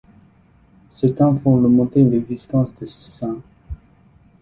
Certains font remonter l'existence de St.